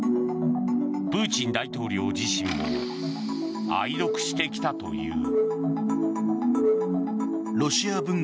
プーチン大統領自身も愛読してきたという。